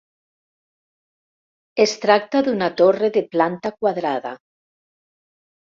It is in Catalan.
Es tracta d'una torre de planta quadrada.